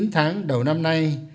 chín tháng đầu năm nay